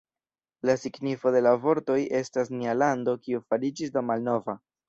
La signifo de la vortoj estas "Nia lando, kiu fariĝis do malnova".